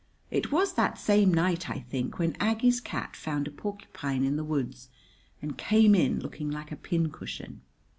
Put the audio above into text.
It was that same night, I think, when Aggie's cat found a porcupine in the woods, and came in looking like a pincushion.